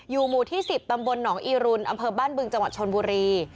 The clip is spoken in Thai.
หมู่ที่๑๐ตำบลหนองอีรุนอำเภอบ้านบึงจังหวัดชนบุรี